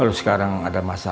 kalau sekarang ada masalah